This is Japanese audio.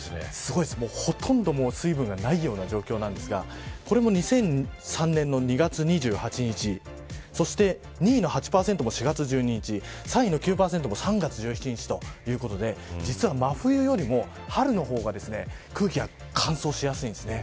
ほとんど水分がないような状況なんですがこれも、２００３年の２月２８日そして２位の８％も４月１２日３位の９％も３月１７日ということで真冬よりも実は春の方が空気が乾燥しやすいんですね。